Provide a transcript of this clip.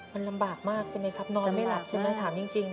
มันลำบากมากใช่ไหมครับนอนไม่หลับใช่ไหมถามจริง